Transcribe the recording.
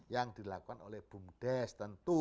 yang dilakukan oleh bumdes tentu